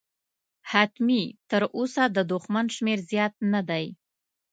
حتمي، تراوسه د دښمن شمېر زیات نه دی.